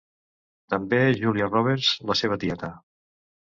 També Júlia Roberts, la seva tieta.